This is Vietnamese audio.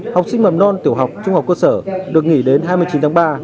học sinh mầm non tiểu học trung học cơ sở được nghỉ đến hai mươi chín tháng ba